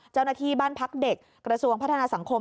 เจ้าหน้าที่บ้านพักเด็กกระทรวงพัฒนาสังคม